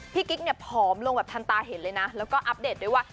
กิ๊กเนี่ยผอมลงแบบทันตาเห็นเลยนะแล้วก็อัปเดตด้วยว่า